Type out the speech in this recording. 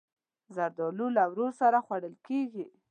زردالو له ورور سره خوړل کېږي.